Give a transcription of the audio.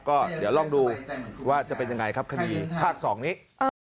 ก็เดี๋ยวลองดูว่าจะเป็นยังไงครับคดีภาค๒นี้